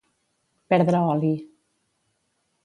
Perdre oli